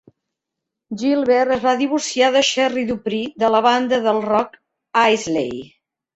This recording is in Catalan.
Gilbert es va divorciar de Sherri DuPree de la banda de rock Eisley.